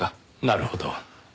なるほど。